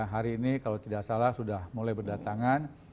hari ini kalau tidak salah sudah mulai berdatangan